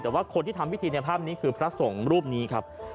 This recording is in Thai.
แต่ว่าคนที่ทำพิธีในภาพนี้คือพระสงฆ์รูปนี้ครับ